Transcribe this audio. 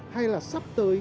hay là sắp tới